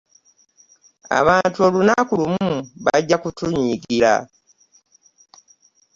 Abantu olunaku lumu bajja kutunyiigira.